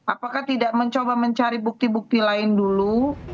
apakah tidak mencoba mencari bukti bukti lain dulu